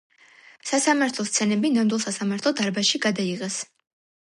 სასამართლოს სცენები ნამდვილ სასამართლო დარბაზში გადაიღეს.